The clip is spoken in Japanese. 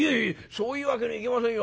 そういうわけにいきませんよ。